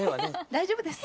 大丈夫です。